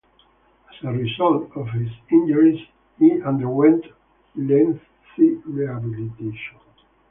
As a result of his injuries he underwent lengthy rehabilitation.